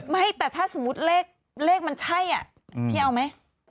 ไม่แต่ถ้าสมมุติเลขมันใช่พี่เอาไหม